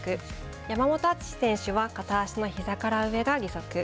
山本篤選手は片足のひざから上が義足。